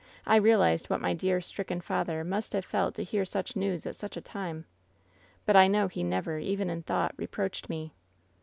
I realized what my dear, stricken father must have felt to hear such news at such a time. But I know he never, even in thought^ reproached me.